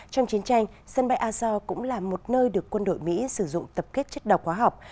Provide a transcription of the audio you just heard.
trong chiến tranh sân bay azo cũng là một nơi được quân đội mỹ sử dụng tập kết chất độc hóa học